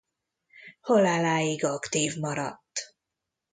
Haláláig aktív maradt.